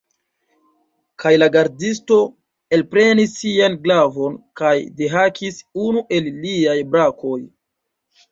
Kaj la gardisto elprenis sian glavon kaj dehakis unu el liaj brakoj.